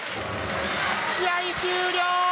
試合終了！